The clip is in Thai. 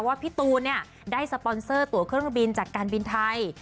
พี่ตูนได้สปอนเซอร์ตัวเครื่องบินจากการบินไทย